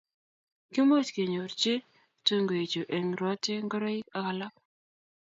kimuch kenyorchi tunguik chu eng' rotwe, ngoroik ak alak